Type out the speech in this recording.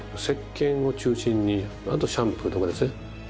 せっけんを中心にあとシャンプーとかですね。